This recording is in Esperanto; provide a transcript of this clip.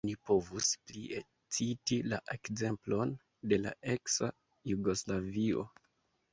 Oni povus plie citi la ekzemplon de la eksa Jugoslavio.